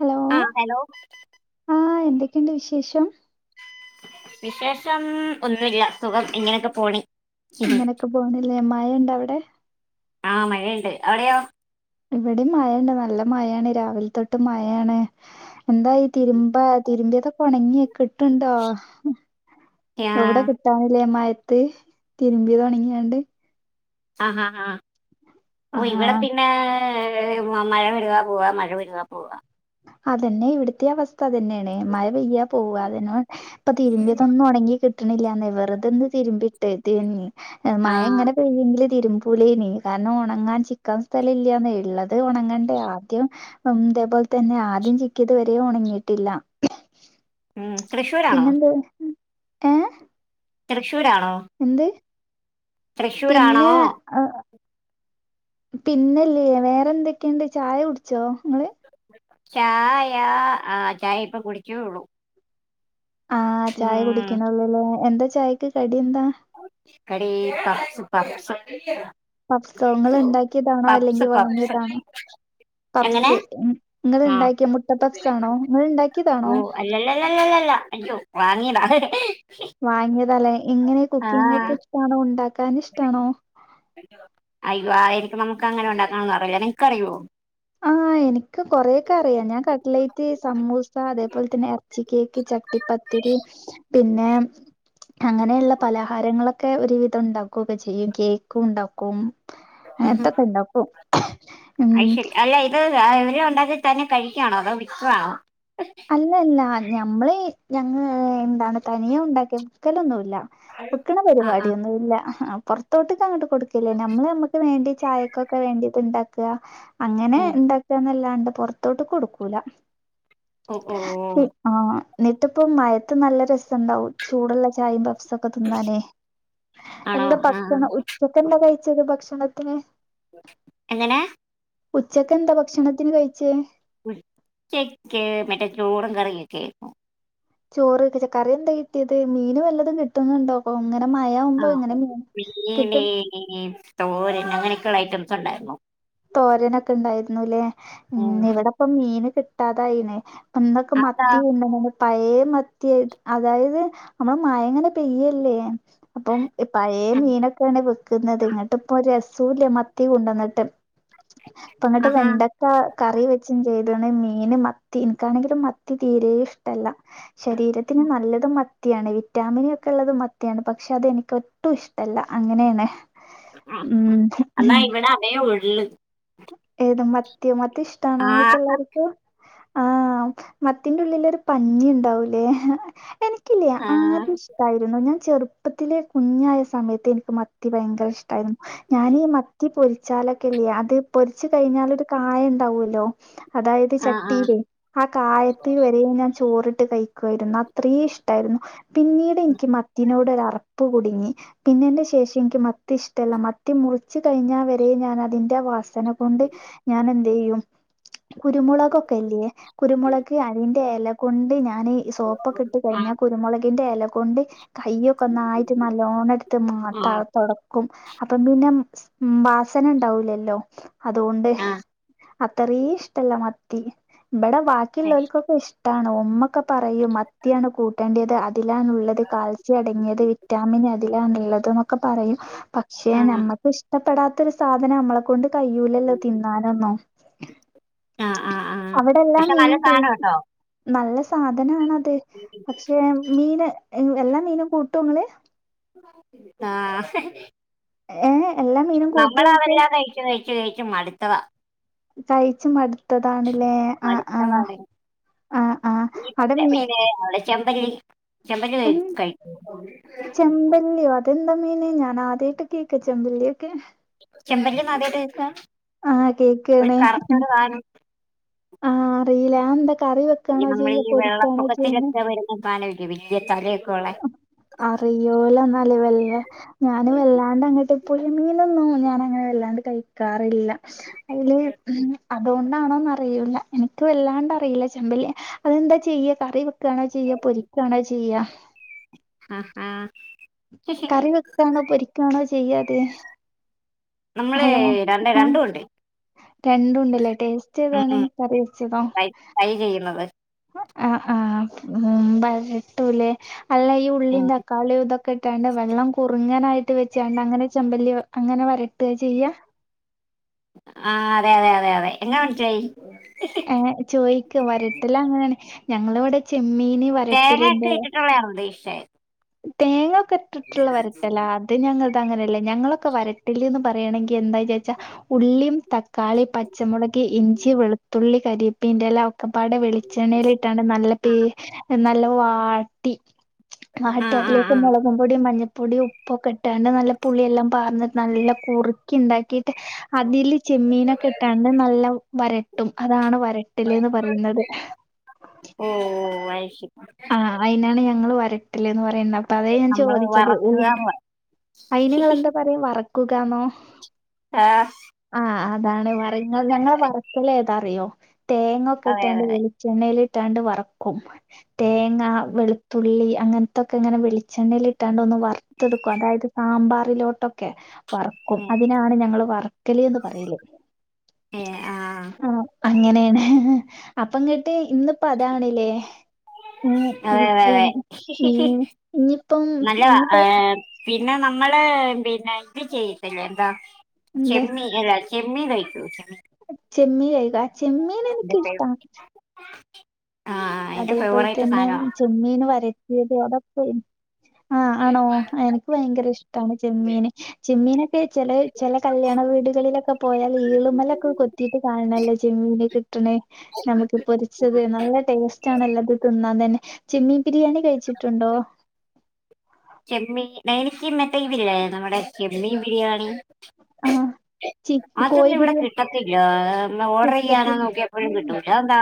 Hello ആഹ് hello ആഹ് എന്തക്കെണ്ട് വിശേഷം വിശേഷം ഒന്നുല്ല സുഖം ഇങ്ങനെക്കെ പോണ് അങ്ങനെക്കെ പോണ്ല്ലേ മഴണ്ട അവടെ ആഹ് മഴണ്ട് അവിടെയോ ഇവിടേം മഴണ്ട് നല്ല മഴാണ് രാവിൽ തൊട്ട് മയാണ്. എന്താ ഈ തിരുമ്പാ തിരുമ്പിയതൊക്കൊണങ്ങികിട്ടു ണ്ടോ ആ എവിടെ കി അതാണ്ലേ മയത്ത് തിരുമ്പിയേതൊണങ്ങിയണ്ട് ആഹ് ആഹ് ആഹ് ഓ ആഹാ ഇവിടെ പിന്നെ ഏ മഴ വരുവാ പോവാ മഴ വരുവാ പോവാ. അതന്നെ ഇവിടുത്തെ അവസ്ഥതന്നെയാണ് മഴ പെയ്യാ പോവ അതന്ന ഇപ്പൊ തിരുമ്പിയതൊന്നും ഒണങ്ങി കിട്ടണില്ലന്നെ വെറുതൊന്ന് തിരുമ്പിട്ടയ ഇതന്നെ ആ മഴ ഇങ്ങനെ പെയ്യെങ്കില് തിരുമ്പൂലേന് കാരണം ഒണങ്ങാൻ ചിക്കാൻ സ്ഥലം ഇല്ലന് ഇള്ളത് അത് ഉണങ്ങണ്ടേ ആദ്യം ഇതേപോൽ തന്നെ ആദ്യം ചിക്കിത് വരെഉണങ്ങിയിട്ടില്ല ഉം തൃഷു പിന്നെന്ത ഉണ്ട് ഏഹ് തൃശ്ശൂരാണോ എന്ത് പിന്ന തൃശ്ശൂരാണോ ആ പിന്നല്ലേ വേറെന്തൊക്കെണ്ട് ചായ കുടിച്ചോങ്ങള് ചായ ആ ചായ ഇപ്പൊ കുടിച്ചു ആഹ് ചായ കുടിക്കണൊള്ളൂല്ലേ എന്താ ചായക്ക് കടി എന്താ? കടി പഫ്സ് പഫ്സ്. പഫ്സ് ങ്ങള് ഉണ്ടാക്കിയതാണോ അല്ലെങ്കിൽ പപ്സ് വാങ്ങിയതാണോ എങ്ങനെ പപ്പ്സ് ങ്ങള് ആ ഇണ്ടാക്കിയ മുട്ട പപ്പ്സാണോ ങ്ങള് ഇണ്ടാക്കിയതാണോ ഇല്ലല്ലല്ലല്ലല്ലല്ല അയ്യോ വാങ്ങിയതാ. വാങ്ങിയതാല്ലേ എങ്ങനെ ആ കുക്കിംഗൊക്കെ ഇഷ്ടാണോ ഉണ്ടാക്കാൻ ഇഷ്ടാണോ അയ് വാ എനിക് നമുക്ക് അങ്ങനെ ഉണ്ടാക്കാനൊന്നും അറിയില്ല നിനക്കറിയോ ആഹ് എ എനിക്ക് കൊറേക്കെ അറിയാം ഞാൻ കട്ലേറ്റ്, സമൂസ, അതേപോലെ തന്നെ ഇറച്ചി കേക്ക്, ചട്ടിപ്പത്തിരി പിന്നെ അങ്ങനെള്ള പലഹാരങ്ങളൊക്കെ ഒരുവിധം ഉണ്ടാക്കുകൊക്കെ ചെയ്യും കേക്കും ഉണ്ടാക്കും. അതൊക്കെ ഇണ്ടാക്കും ഐയ്ശരി അല്ല ഇത് ഇവര് ഉണ്ടാക്കി തന്നെ കഴിക്കാണോ അതോ വിക്കാണോ? അല്ലല്ല ഞമ്മളെ ഞങ്ങള് എന്താണ് തനിയെ ഉണ്ടാക്കി വിക്കലൊന്നുല്ല. വിക്ക്ണ ആ ആ പരിപാടിയൊന്നുല്ല പുറത്തോട്ട്കങ്ങട്ട് കൊടുക്കലില്ല നമ്മള് നമ്മക്ക് വേണ്ടി ചായ കൊക്കെ വേണ്ടിട്ട് ഇണ്ടാക്കുക അങ്ങനെ ഉം. ഇണ്ടാക്കുകന്നല്ലാണ്ട് പൊറത്തോട്ട് കൊടുക്കൂല. ഒ ഓം ആഹ് ന്ന്ട്ട്പ്പോ മഴത്ത് നല്ല രസണ്ടാവും ചൂടുള്ള ചായിം പഫ് ഫ്സൊക്കെ തിന്നാനേ ആണോ എന്താ ആ ഭക്ഷണം ഉച്ചക്കെന്താ കഴിച്ചത് ഭക്ഷണത്തിന്. എങ്ങനെ ഉച്ചക്കെന്താ ഭക്ഷണത്തിന് കഴിച്ചേ ഉച്ചക്ക് മറ്റേ ചോറും കറിയൊക്കെ ചോറ് കറി എന്താ കിട്ടിയത് മീന് വല്ലതും കിട്ടുന്നുണ്ടോ? അപ്പൊങ്ങനെ ആ മഴവുമ്പോ എങ്ങനെ മീൻ കിട്ടും. മീന്, തോരൻ അങ്ങനെയൊക്കെള്ള ഐറ്റംസ് ഉണ്ടായിരുന്നു. തോരനൊക്കെ ഇണ്ടായിരുന്നുല്ലേ ഉം ഇവിടെപ്പോ മീന് കിട്ടാതായിന്. അന്നൊക്കെ അതാ മത്തി [inaudible] പഴേ മത്തി ആയിട്ട് അതായത് നമ്മള് മഴങ്ങനെ പെയ്യല്ലേ. അപ്പം പഴേ മീനൊക്കെയാണ് വി കുന്നത് ഇങ്ങട്ട്പ്പൊ ഒരുരസൂല്യ മത്തി കൊണ്ടുന്നിട്ട് ഇപ്പൊങ്ങട്ട് ആഹാ വെണ്ട [unintelligible] കറി വെച്ചും ചെയ്തുണ് മീന് മത്തി എനിക്കാണെങ്കിലും മത്തി തീരെ ഇഷ്ടല്ല. ശരീരത്തിന് നല്ലതും മ മത്തിയാണ് വിറ്റാമിനൊക്കെള്ളത് മത്തിയാണ് പക്ഷെ അതെനിക്ക് ഒട്ടും ഇഷ്ടല്ല അങ്ങനെണ്. ഉം ഉം ഉം ടതേയുള്ള് ഏത് മത്തിയോ മത്തി ഇഷ്ടണോ ആ ഇങ്ങക്ക് എല്ലാർക്കും. ആഹ് മത്തിന്റെ ഉള്ളിലൊരു പഞ്ഞി ഉണ്ടാവൂലേ എനി ക്കില്ലേ ആ ആദ്യം ഇഷ്ടായിരുന്നു ഞാൻ ചെറുപ്പത്തിലെ കുഞ്ഞായ സമയത്ത് എനിക്ക് മത്തി മത്തി ഭയങ്കര ഇഷ്ടായിരുന്നു ഞാനീ മത്തി പൊരിച്ചാലൊക്കെല്ലേ അത് പൊരിച്ച് കഴിഞ്ഞാലൊരു കായം ഇണ്ടാവല്ലോ അതായത് ആ ആ ആ ചട്ടീല് ആ കായത്തില് വരെയും ഞാൻ ചോറിട്ട് കഴിക്കുവായിരുന്നു അ അത്രേ ഇഷ്ടായിരുന്നു പിന്നീട് എനിക്ക് മത്തിനോട് ഒരു അറപ്പ് കുടുങ്ങി. പിന്നെന്റെ ശേഷം എനിക്ക് മത്തി ഇഷ്ടല്ല മത്തി മുറി ച്ച് കഴിഞ്ഞ വരെ ഞാൻ അതിന്റെ വാസന കൊണ്ട് ഞാൻ എന്തെയ്യും കുരുമുളകൊക്കെല്ലേ കുരുമുളക് അയിന്റെ എല കൊണ്ട് ഞാന് ഈ സോപ്പൊക്കെ ഇട്ട് കഴിഞ്ഞ കുരുമുളകിന്റെ എല കൊണ്ട് കയ്യൊക്കെ ഒന്നായിട്ട് നല്ലോണം എടുത്ത് ആ [inaudible] ക്കും അപ്പം പിന്നെ വാസന ഉണ്ടാവൂലല്ലോ. അതുകൊണ്ട് ആ അത്തറീം ഇഷ്ടല്ല മത്തി ഇബടെ ബാക്കിയുള്ളോൽക്കൊക്കെ ഇഷ്ടാണ് ഉമ്മക്കൊ പറയും മത്തിയാണ് കൂട്ടേയ്ണ്ടത് അതിലാണുള്ളത് കാൽസ്യം അടങ്ങിയത് വിറ്റാമിന് തിലാണുള്ളത് ന്നൊക്കെ പറയും പക്ഷെ ആ നമ്മക്ക് ഇഷ്ടപ്പെടാത്ത ഒരു സാധനം നമ്മളെ കൊണ്ട് തി കയ്യൂലല്ലോ തിന്നാനൊന്നും. ആഹ് ച്ച് ആഹ് ആഹ് അവിടെ എല്ലാം പക്ഷെ നല്ല മീനും കൂ സാധനം കേട്ടോ നല്ല സാധനാണത്. പക്ഷെ മീന് എഹ് എല്ലാ മീനും കൂട്ടോങ്ങള്. ആഹ് ഏ എല്ലാ മീനും കൂട്ടോയ്ക്കാ നമ്മളതെല്ലാം കയിച്ച്, കയിച്ച്, കയിച്ച് മട്ത്തതാ. കഴിച്ച് മടുത്തതാണ്ല്ലേ. അഹ്, ആഹ്, മടുത്തതാണ് അഹ്, ആഹ് അടമീ അവടെ ചെമ്പല്ലി. ചെമ്പല്ലി ഉം കഴി- കഴിക്കും ചെമ്പല്ലിയോ. തെന്താ മീന് ഞനാദ്യായിട്ട് കേക്ക ചെമ്പല്ലിയൊക്കെ. ചെമ്പല്ലീന്നാദ്യായിട്ട് കേക്കാ ആഹ് ഒരു കേക്കാണ് കറുത്തൊരു സാനം. ആഹ് അറീല്ല അഹ് എന്താ കറി വെക്കാണോ ചെയ്യാ പൊരിക്കാണോ ചെയ്യ്ണെ. [unintelligible] വല്യ തലയൊക്കെള്ളെ. അറിയൂല്ലന്നല് വെല്ല ഞാന് വെല്ലാണ്ട് അങ്ങട്ട്. പുഴമീനൊന്നും ഞാനങ്ങനെ വല്ലാണ്ട് കഴിക്കാറില്ല. അയ്ല് മം അതോണ്ട് ന്നാണോന്നറിയൂല. എനക്ക് വല്ലാണ്ട് അറീല്ല ചെമ്പല്ലി ഹ് അതെന്താ ചെയ്യ കറിവെ ക്കാണോ ചെയ്യ പൊരിക്കാണോ ചെയ്യ. അഹ് ആഹ് കറി വെക്കാണോ പൊരിക്കാണോ ചെയ്യത്. നമ്മളെ രണ്ടെ ആഹ് രണ്ടുണ്ട്. രണ്ടുണ്ടല്ലേ ടേസ്റ്റ് ഏതാണ് ഉം കറി വെച്ചതോ. ഫ്രൈ ഫ്രൈ ചെയ്യുന്നത്. ആഹ് ആഹ് ഉം ബരട്ടുലെ അല്ല ഈ ഉള്ളീ ഉം. തക്കാളിതൊക്കെ. ക്കെഇട്ടാണ്ട് വെള്ളം കുറുങ്ങനായിട്ട് വെച്ചാണ്ട് അങ്ങനെ ചെമ്പല്ലി അങ്ങനെ വരട്ടാ ചെയ്യാ. ആഹ് അതെ അതെ അതെ അതെ എങ്ങനെ മനസ്സിലായി. ഏഹ് ചോയിക്ക വരട്ടലാങ്ങനാണ് ഞങ്ങള് വിടെ ചെമ്മീന് വര തേങ്ങയൊക്കെ ഇട്ടിട്ടുള്ളതാണോ ഉദേഷിച്ചേ. തേങ്ങൊക്കെ ഇട്ടിട്ടുള്ള വരട്ടലാ അത് ഞങ്ങൾതങ്ങനെല്ല ഞങ്ങളൊക്കെ വരട്ടല്ന്നും പറയണെങ്കി എന്താജായിച്ചാ. ഉള്ളീം, തക്കാളി, പച്ചമുളക്, ഇഞ്ചി വെളുത്തുള്ളി, കരിപ്പീന്റെല ക്കപ്പാടെ വെളിച്ചെണ്ണയിലിട്ടാണ്ട് നല്ല പേ നല്ല വാട്ടി. ആ വാട്ടി ആ അതിലേക്ക് ആ മൊളകും പൊടീം, മഞ്ഞപ്പൊടീം, ഉപ്പൊക്കെ ഇട്ടാണ്ട് നല്ല പുളിയെല്ലാം പാർന്ന് നല്ല കുറുക്കി ണ്ടാക്കിട്ട്. അതില് ചെമ്മീനൊക്കെ ഇട്ടാണ്ട് നല്ല വരട്ടും അതാണ് വരട്ടല്ന്ന് പറയുന്നത്. ഉം അയിശരി. ആഹ് അയിനാണ് ഞങ്ങള് വരട്ടല്ന്ന് പറയുന്നെ. അപ്പൊ അതേ ഞാൻ നമ്മള് ചോദിച്ചത്. വറക്കുക അയിന്ങ്ങളെന്താ പറയാ വറക്കുകാന്നോ. ആഹ്. ആഹ് അതാണ്. വർ ഞങ്ങളെ വറ്ക്കല് ഏതാ അറിയോ തേങ്ങൊക്കെ അതെ ഇട്ടാണ്ട് അതെ വെ ച്ചെണ്ണയിലിട്ടാണ്ട് വറക്കും. തേങ്ങ, വെളുത്തുള്ളി അങ്ങൻത്തൊക്കെങ്ങനെ വെളിച്ചെണ്ണയിലിട്ടാണ്ട് ഒന്ന് വർ ത്തെട്ക്കും അതായത് സാമ്പാറിലോട്ടൊക്കെ വറ്ക്കും ഉം അതിനാണ് ഞങ്ങൾ വർ ക്കല്ന്ന് പറയല്. ആഹ് അങ്ങനെണ് ഹ്, ഹ് അപ്പങ്ങട്ട് ഇന്നിപ്പോ അതാണ്. ല്ലെ. അതെ അതെ അതെ [unintelligible] ഇഞ്ഞിപ്പം നല്ലതാ ഇഞ്ഞിപ്പോ ഏഹ് പിന്നെ നമ്മള് പിന്നെ ഇത് ചെയ്യത്തില്ലേ എന്താ എന്തെ ചെമ്മീ അല്ലാ. ചെമ്മീ കഴിക്കോ ചെമ്മീൻ. ചെമ്മി കഴിക അഹ് ചെമ്മിന് എന്റെ നിക്കിഷ്ട. ഫേവ ആഹ് എന്റെ അതേപോല് ഫേവറേറ്റ് തന്നെ സാധനവാ ചെമ്മീൻ വരട്ടിയത് അതൊക്കെ ആഹ് ആണോ എനിക്ക്. [unintelligible] ഭയങ്കര ഇഷ്ടാണ് ചെമ്മീന് ചെമ്മീനൊക്കെ ചെല ചെല കല്യാണ വീടുകളിലൊക്കെ പോയാല് ഈളുമ്മലൊക്കെ കൊ [unintelligible] കാണണല്ലേ ചെമ്മിന് കിട്ടണേ നമുക്ക് പൊരിച്ചത് നല്ല ടേസ് [unintelligible] അത് തിന്നാൻ തന്നെ. ചെമ്മീൻ ബിരിയാണി കഴിച്ചിട്ടുണ്ടോ? ചെമ്മീ [unintelligible] മറ്റേ ഇതില്ലേ നമ്മടെ ചെമ്മീൻ ബിരിയാണി ആഹ് അതൊന്നും ഇവിടെ കിട്ടത്തില്ല ഏഹ് ഓർഡർ ചെയ്യാന് നോക്കിയപ്പോഴും കിട്ടൂല അതെന്താ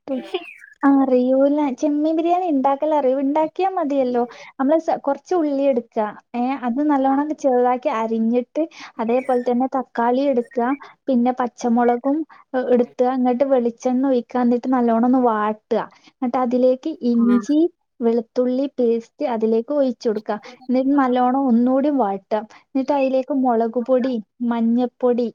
[unintelligible] അറിയൂല്ല ചെമ്മീൻ ബിരിയാണി ഇണ്ടാക്കലറിയും ഇണ്ടാക്കിയാ മതിയല്ലോ അമ്മള് സ കൊറച്ച് ഉള്ളിയെട്ക്ക ഏഹ് അത് നല്ലോണൊന്ന് ചെറുതാക്കി അരിഞ്ഞിട്ട് അതെപോലെ തന്നെ തക്കാളിയെടുക്കാ പിന്നെ പച്ചമൊളകും ഏഹ് ഇട്ത്താ ഇന്നട്ട് വെളിച്ചെണ്ണൊഴിക്കാ എന്നിട്ട് നല്ലോണം ഒന്ന് വാട്ടാ എന്നിട്ട് അതിലേക്ക് ആഹ് ഇഞ്ചി വെളുത്തുള്ളി പേസ്റ്റ് അതിലേക്ക് ഒഴിച്ചു കൊടുക്കാ. എന്നിട്ട് നല്ല നല്ലൊണം ഒന്നുടീം വാട്ടാ എന്നിട്ട് അയിലേക്ക് മൊളക്പൊടി, മഞ്ഞപ്പൊടി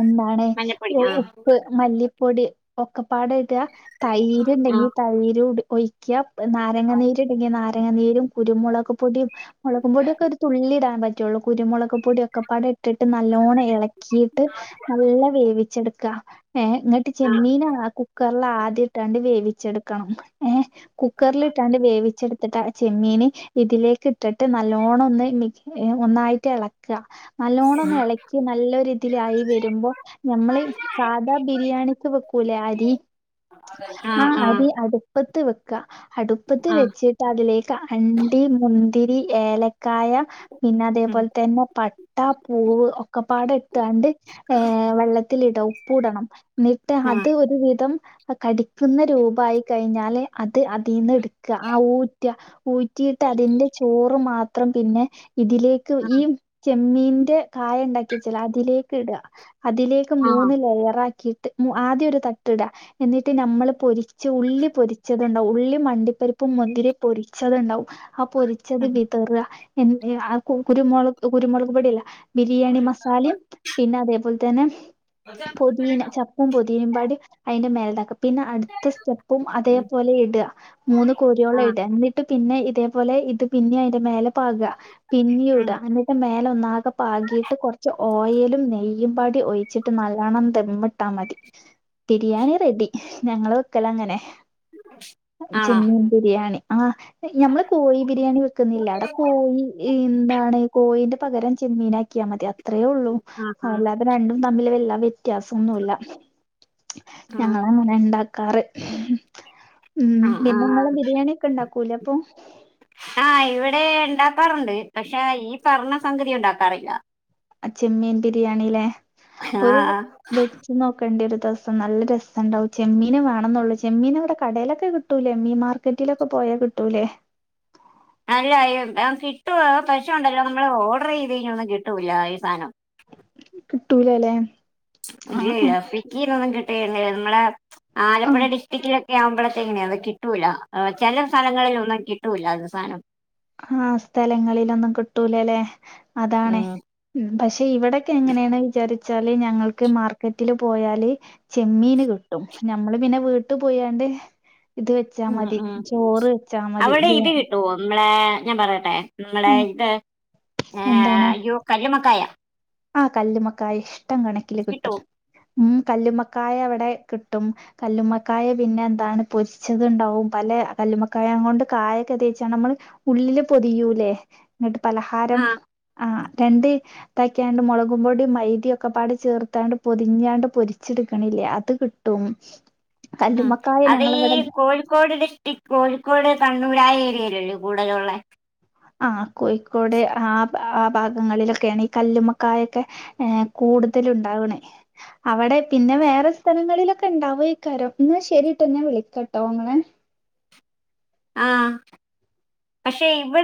എന്താണ് മഞ്ഞപ്പൊടി ഉ ആഹ് ഉപ്പ്, മല്ലിപ്പൊടി, ഒക്കെപ്പാടെ ഇടാ തൈര്ണ്ടെങ്കി ആഹ് തൈര്ടു ഒയി ഒഴിക്കാ നാരങ്ങ നീര്ണ്ടെങ്കി നാരങ്ങനീരും കുരുമുളക് പൊടിം മൊളകും പൊടിയൊക്കെ ഒരു തുള്ളിയിടാൻ പറ്റുള്ളൂ കുരുമുളക് പൊടി- ഒക്കെപ്പാട് ഇട്ടിട്ട് നല്ലോണം എളക്കിയിട്ട് നല്ല വേവിച്ചെടുക്കാ ഏഹ് ഇങ്ങട്ട് ചെമ്മീനാണാ കുക്കറില് ആദ്യം ഇട്ടാണ്ട് വേവിച്ചെടുക്കണം കുക്കറലിട്ടാണ്ട് വേവിച്ചെടുത്തിട്ട് അഹ് ചെമ്മീന് ഇതിലേക്ക് ഇട്ടിട്ട് നല്ലോണം ഒന്ന് മി ഏഹ് ഒന്നായിട്ട് എളക്ക നല്ലോണൊന്ന് ആഹ് എളക്കി നല്ല ഒരു ഇതിലായി വെരുമ്പം ഞമ്മളീ സാധാ ബിരിയാണിക്ക് വെക്കൂലേ അരി? ആ ആഹ് ആഹ് അരി അടുപ്പത്ത് വെക്ക അടുപ്പത്ത് ആഹ് വെച്ച് ന്ന്ട്ട് അതിലേക്ക് അണ്ടി, മുന്തിരി, ഏലക്കായ, പിന്നെ ആഹ് അതേപോൽ തന്നെ പട്ട പട്ട, പൂവ് ഒക്കെപ്പാടെ ഇട്ടാണ്ട് ഏഹേ വെള്ളത്തില്ടാ ഉപ്പുടണം ഇന്നിട്ട് ആഹ് ആഹ് അത് ഒരു വിധം അത് കടിക്കുന്ന രൂപവായി കഴിഞ്ഞാല് അത് അതീന്ന് എടുക്കുക ആഹ് ഊറ്റുക ഊ ഊട്ടിയിട്ട് അതിന്റെ ചോറ് മാത്രം പിന്നെ ഇതിലേക്ക് ഈ- ചെമ്മീന്റെ കായ ഇണ്ടാക്കി വെച്ചില്ലേ അതിലേക്ക് ഇടുക അതിലേക്ക് ആഹ് മൂന്ന് ആഹ് ലെയറ് ആക്കി ആദ്യം ഒരു തട്ടിട എന്നിട്ട് നമ്മള് പൊരിച്ച ഉള്ളി പൊരിച്ചതുണ്ടാവും ഉള്ളി അണ്ടിപ്പരി [unintelligible] മുന്തിരിയും പൊരിച്ചത് ഉണ്ടാവും ആ പൊരിച്ചത് വിതറുക എ ആ കുരുമുള അപ്പൊ കുരുമുളക് പൊടിയല്ല ബിരിയാണി മസാലേം പിന്നെ അതേ പോലെ തന്നെ പുതിനില ച [unintelligible] അതിന്റെ മേലിതാക്കാ പിന്നെ അടുത്ത സ്റ്റെപ്പും ആഹ് അതേപോലെ ഇടുക മൂന്ന് കോരിയോളം ആഹ് ഇടുക എന്നി ഇട്ടും പിന്നെ ഇതേപോലെ ഇത് പിന്നെ അതിന്റെ മേലെ പാകുക പിന്നേം ഉം ഇടുക എന്നി അതിന്റെ മേലെ ഒന്നാകെ പാകിയിട്ട് കുറച്ച് ഓയിലും നെയ്യും പാടി ഒഴിച്ചിട്ട് നല്ലണം ദമ്മി [unintelligible] മതി ബിരിയാണി റെഡി. ഞങ്ങള് വെക്കല് അങ്ങനെ ആണോ ചെമ്മീൻ ബിരിയാണി ആഹ് ഞമ്മള് കോഴി ബിരിയാണി വെക്കുന്നില്ല അവിടെ കോഴി എന്താണ് കോയീന്റെ പകരം ചെമ്മീനാക്കിയാൽ മതി അത്രേയുള്ളൂ ആഹ് അല്ലാ അത് രണ്ടും തമ്മില് വല്യ വ്യത്യാസൊന്നുല്ല ആഹ് ഞങ്ങള് അങ്ങനെ ഇണ്ടാ ക്കറ് ഉം ആഹ് പിന്നെ നിങ്ങള് ആഹ് ബിരിയാണിയൊക്കെ ഇണ്ടാക്കൂലേ അപ്പൊ- ആഹ് ഇവിടെ ഇണ്ടാക്കാറുണ്ട് പക്ഷെ ഈ പറഞ്ഞ സംഗതി ഉണ്ടാക്കാറില്ല ആഹ് ചെമ്മീൻ ബിരിയാണിലെ ഒരു ആഹ് [unintelligible] നോക്കേണ്ടി വരും ഒരു ദിവസം നല്ല രസം ഇണ്ടാവും ചെമ്മീന് വേണംന്നേ ഉള്ളൂ ചെമ്മീൻ ഇവിടെ കടയിലൊക്കെ കി കിട്ടൂലെ മീൻ മാർക്കറ്റിലൊക്കെ പോയാൽ കിട്ടൂലേ അല്ല അഹ് കിട്ടും പക്ഷെ ഒണ്ടല്ലോ നമ്മള് ഓർഡർ ചെയ്ത് കഴിഞ്ഞ ഒന്നും കിട്ടൂല ഈ സാധനം കിട്ടൂല അല്ലേ [unintelligible] നമ്മളെ. ആലപ്പുഴ ആഹ് ഡിസ്ട്രിക്റ്റിലൊക്കെ ആവുമ്പോഴത്തെനെ അത് കിട്ടൂല ചില സ്ഥലങ്ങളിലൊന്നും കിട്ടൂല അവസാനം. ആഹ് സ്ഥലങ്ങളിലൊന്നും കിട്ടൂലലേ അതാണേ ഉം പഷെ ഇവിടെക്കെ എങ്ങനെയാണ് വിചാരി ച്ചാല് ഞങ്ങൾക്ക് മാർക്കറ്റില് പോയാല്. ചെമ്മീന് കിട്ടും ഞമ്മള് പിന്നെ വീട്ടു പോയാണ്ട്. ഇത് വെച്ചാ ഉം മതി ചോറ് വെച്ചാ മതി ഇജ്ജ്. ഇമ്മളെ ഞാൻ പറയട്ടെ ഇമ്മളെ ഉം, ഇത് ഏഹ് കല്ലുമ്മക്കായ. ആ കല്ലുമ്മക്കായ ഇഷ്ടം കണക്കില് കിട്ടും കിട്ടുവോ ഉം കല്ലുമ്മക്കായ അവിടെ കിട്ടും. കല്ലുമ്മക്കായ പിന്നെ എന്താണ് പൊരിച്ചത്ണ്ടാവും പല കല്ലുമ്മക്കായ കൊണ്ട് കായൊക്കെ തേച്ചാണ് നമ്മള് ഉള്ളില് പൊതിയൂലേ എന്നിട്ട് പലഹാരം ആഹ് ആഹ് രണ്ട് ത ക്കാണ്ട് മൊളകും പൊടിയും മൈദയൊക്കെപ്പാട് ചേർത്താണ്ട് പൊതിഞ്ഞാണ്ട് പൊരിച്ചെടുക്കണില്ലേ അത് കിട്ടും. [inaudible] ഉം കല്ലുമ്മക്കായ അതേ ഈ ഞങ്ങളിവിടെ കോഴിക്കോടി ഈ കോഴിക്കോട് കണ്ണൂർ ആഹ് ഏരിയയിലല്ലെ കൂടലുള്ളേ. ആ കോഴിക്കോട് ആ അആഹ് ഭാഗങ്ങളിലൊക്കെയാണ് ഈ കല്ലുമ്മക്കായൊക്കെ ഏ കൂടുതല് ഉണ്ടാവണേ. അവിടെ പിന്ന വേറെ സ്ഥലങ്ങളിലൊക്കെ ഇണ്ടാവു ഇക്കാരം ന്നാ ശെരിട്ടോ ഞാൻ വിളിക്കട്ടോ ഇങ്ങളെ. ആഹ് പഷെ ഇവിടെ